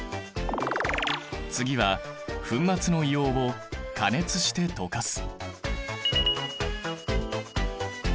次は粉末の硫黄を加熱して溶かす。